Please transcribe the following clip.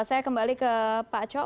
saya kembali ke pak co